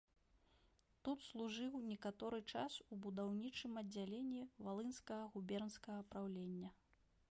Тут служыў некаторы час у будаўнічым аддзяленні валынскага губернскага праўлення.